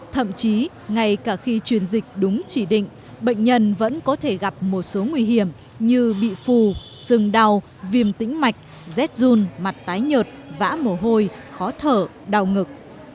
thậm chí ngay cả khi truyền dịch đúng chỉ định bệnh nhân vẫn có thể gặp một số nguy hiểm như bị phù sừng đau viêm tĩnh mạch rét run mặt tái nhợt vã mồ hôi khó thở đau ngực